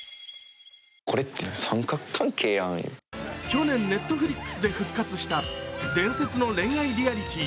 去年、Ｎｅｔｆｌｉｘで復活した伝説の恋愛リアリティ